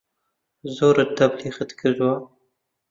زۆرت تەبلیغات کردوە